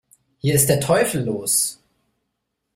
Hier ist der Teufel los!